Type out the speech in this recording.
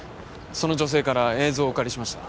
その女性から映像をお借りしました。